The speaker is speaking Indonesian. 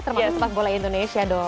terima kasih sepak bola indonesia dong